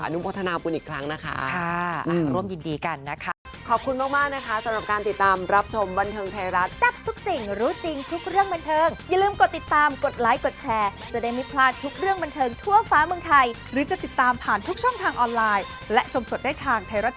นุ่มพัฒนาบุญอีกครั้งนะคะค่ะร่วมยินดีกันนะคะ